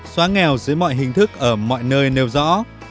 xóa nghèo dưới mọi hình thức ở mọi nơi nêu rõ